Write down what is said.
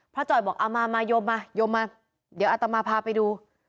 พระจ่อยบอกเอามาโยมมาเดี๋ยวอาตมาพาไปดู